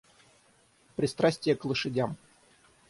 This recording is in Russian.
Пристрастие к лошадям.